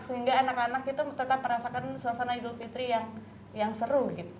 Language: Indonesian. sehingga anak anak itu tetap merasakan suasana idul fitri yang seru